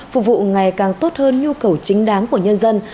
phục vụ ngày càng tốt hơn nhu cầu chính đáng của nhân dân